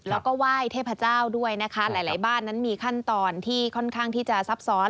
แล้วก็ไหว้เทพเจ้าด้วยนะคะหลายบ้านนั้นมีขั้นตอนที่ค่อนข้างที่จะซับซ้อน